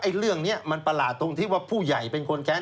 เรื่องนี้มันประหลาดตรงที่ว่าผู้ใหญ่เป็นคนแค้น